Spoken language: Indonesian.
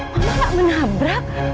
mama gak menabrak